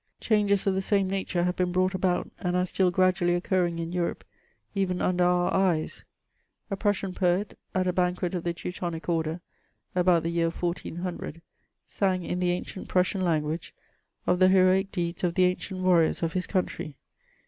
Changes of the same nature have heen brought about, and are still gpradually occurring in Europe, even under our eyes« A Prussian poet, at a banquet of the Teutonic order, about the year 1400, sang in the ancient Prussian language of the heroic deedd of the ancient warriors of his country.